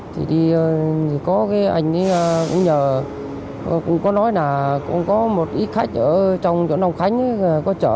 thì đi có cái anh ấy cũng nhờ cũng có nói là cũng có một ít khách ở trong chỗ nông khánh có chở